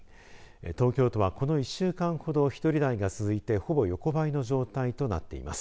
東京都は、この１週間ほど１人台が続いてほぼ横ばいの状態となっています。